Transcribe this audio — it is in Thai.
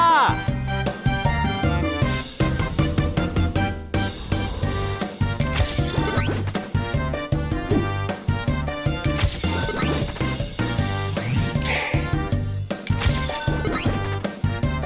แดนน่ากว้าง